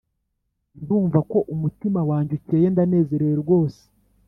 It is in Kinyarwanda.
Ndumva ko umutima wanjye ucyeye ndanezerewe rwose